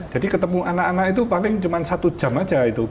jadi ketemu anak anak itu paling cuma satu jam aja itu